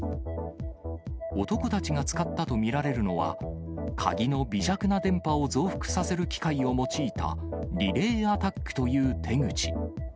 男たちが使ったと見られるのは、鍵の微弱な電波を増幅させる機械を用いた、リレーアタックという手口。